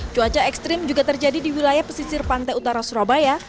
cuaca ekstrim juga terjadi di wilayah pesisir pantai utara surabaya